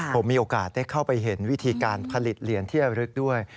ผมมีโอกาสได้เข้าไปเห็นวิธีการผลิตเหรียญที่ระลึกด้วย